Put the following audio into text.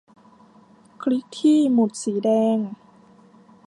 คลิกที่ หมุดสีแดง